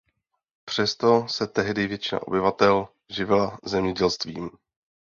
Přesto se tehdy většina obyvatel živila zemědělstvím.